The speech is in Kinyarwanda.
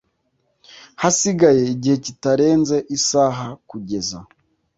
Hasigaye igihe kitarenze isaha kugeza